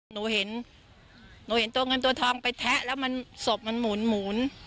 หนูเห็นหนูเห็นตัวเงินตัวทองไปแทะแล้วมันศพมันหมุน